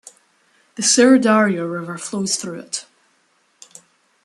The Syr Darya river flows through it.